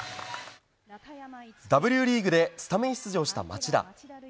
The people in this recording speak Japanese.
Ｗリーグでスタメン出場した町田。